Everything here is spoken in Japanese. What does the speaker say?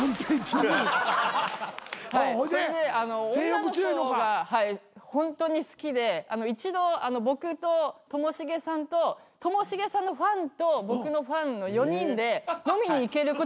女の子がホントに好きで一度僕とともしげさんとともしげさんのファンと僕のファンの４人で飲みに行けることになったんです。